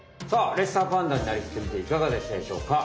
レッサーパンダになりきってみていかがでしたでしょうか？